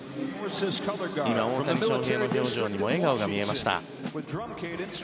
今、大谷翔平の表情にも笑顔が見えました。